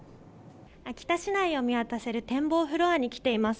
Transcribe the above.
秋田市内を見渡せる、展望フロアに来ています。